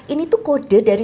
ini tuh kode dari